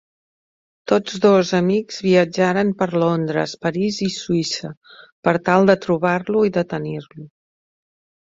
Tots dos amics viatjaran per Londres, París i Suïssa per tal de trobar-lo i detenir-lo.